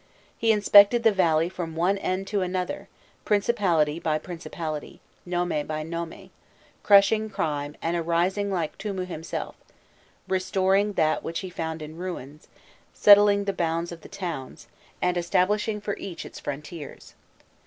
He inspected the valley from one end to another, principality by principality, nome by nome, "crushing crime, and arising like Tûmû himself; restoring that which he found in ruins, settling the bounds of the towns, and establishing for each its frontiers."